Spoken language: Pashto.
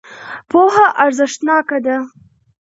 پوهه ارزښتناکه ده.